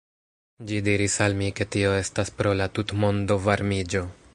Ĝi diris al mi ke tio estas pro la tutmondo varmiĝo